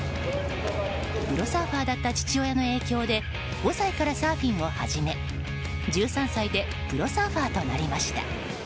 プロサーファーだった父親の影響で５歳からサーフィンを始め１３歳でプロサーファーとなりました。